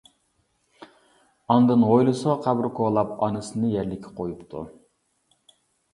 ئاندىن ھويلىسىغا قەبرە كولاپ ئانىسىنى يەرلىككە قويۇپتۇ.